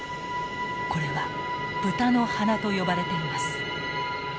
これは豚の鼻と呼ばれています。